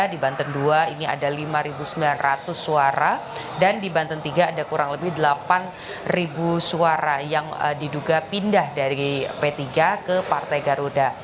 di banten dua ini ada lima sembilan ratus suara dan di banten tiga ada kurang lebih delapan suara yang diduga pindah dari p tiga ke partai garuda